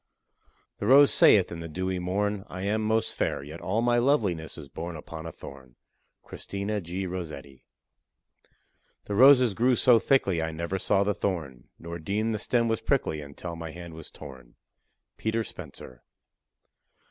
The rose saith in the dewy morn, I am most fair; Yet all my loveliness is born Upon a thorn. CHRISTINA G. ROSSETTI. The roses grew so thickly, I never saw the thorn, Nor deemed the stem was prickly until my hand was torn. PETER SPENCER.